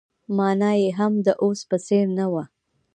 مانا يې هم د اوس په څېر نه وه.